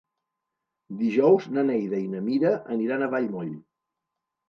Dijous na Neida i na Mira aniran a Vallmoll.